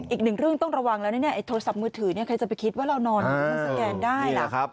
อีกหนึ่งเรื่องต้องระวังแล้วนะเนี่ยไอ้โทรศัพท์มือถือใครจะไปคิดว่าเรานอนมันสแกนได้ล่ะ